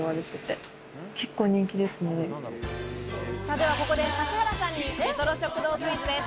ではここで指原さんにレトロ食堂クイズです。